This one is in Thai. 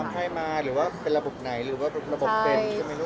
ข้ามค่ายมาหรือว่าเป็นระบบไหนหรือว่าระบบเป็น